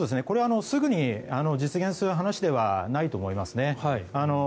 これはすぐに実現する話ではないと思いますね。